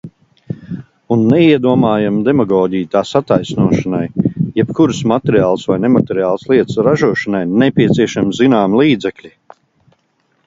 Un neiedomājama demagoģija tās attaisnošanai. Jebkuras materiālas vai nemateriālas lietas ražošanai nepieciešami zināmi līdzekļi.